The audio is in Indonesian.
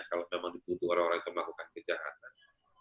kalau memang dibutuhkan orang orang yang melakukan kejahatan